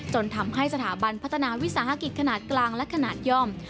จนทำให้สถาบันพัฒนาวิสาหกิจขนาดกลางและขนาดย่อม